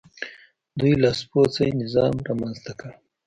دوی لاسپوڅی نظام رامنځته کړ.